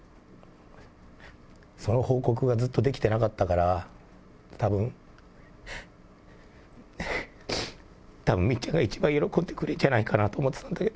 その報告がずっとできてなかったから、たぶん、たぶん、みっちゃんが一番喜んでくれるんじゃないかなと思ってたんだけど。